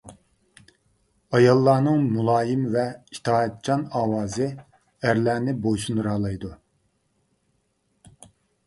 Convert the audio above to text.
ئاياللارنىڭ مۇلايىم ۋە ئىتائەتچان ئاۋازى ئەرلەرنى بويسۇندۇرالايدۇ.